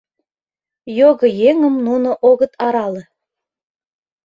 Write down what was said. Його еҥым нуно огыт арале...